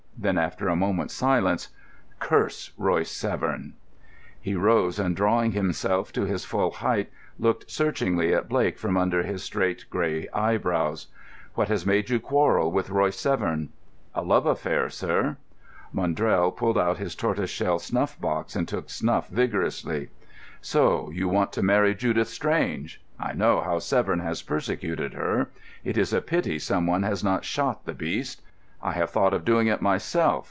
Then, after a moment's silence, "Curse Royce Severn." He rose, and drawing himself to his full height, looked searchingly at Blake from under his straight grey eyebrows. "What has made you quarrel with Royce Severn?" "A love affair, sir." Maundrell pulled out his tortoise shell snuff box and took snuff vigorously. "So you want to marry Judith Strange. I know how Severn has persecuted her. It is a pity someone has not shot the beast; I have thought of doing it myself.